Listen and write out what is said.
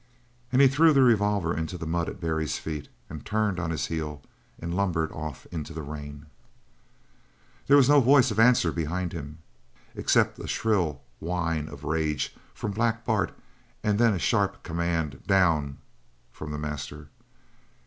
And he threw the revolver into the mud at Barry's feet, turned on his heel, and lumbered off into the rain. There was no voice of answer behind him, except a shrill whine of rage from Black Bart and then a sharp command: "Down!" from the master.